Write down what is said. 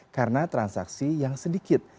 karena transaksi yang sedikit